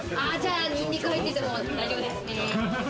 ニンニク入ってても大丈夫ですね。